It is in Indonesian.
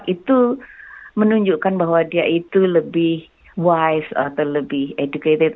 itu menunjukkan bahwa dia itu lebih wise atau lebih educated